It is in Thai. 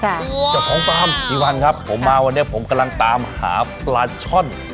เจ้าของฟาร์มกี่วันครับผมมาวันนี้ผมกำลังตามหาปลาช่อน